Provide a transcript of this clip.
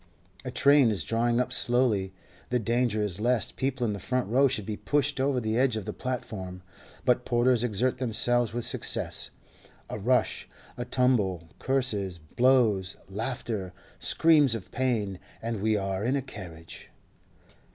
A train is drawing up slowly; the danger is lest people in the front row should be pushed over the edge of the platform, but porters exert themselves with success. A rush, a tumble, curses, blows, laughter, screams of pain—and we are in a carriage.